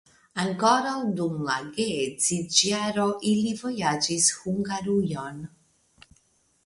Ankoraŭ dum la geedziĝjaro ili vojaĝis Hungarujon.